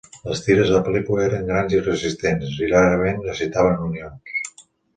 Les tires de pel·lícula eren grans i resistents, i rarament necessitaven unions.